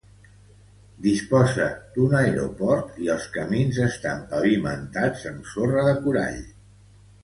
Disposa d'un aeroport i els camins estan pavimentats amb sorra de corall.